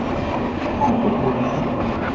話說柏林地鐵